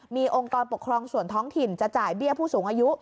มีองค์กรปกครองส่วนท้องถิ่นจะจ่ายเบี้ยผู้สูงอายุ